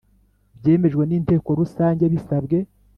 Byemejwe n inteko rusange bisabwe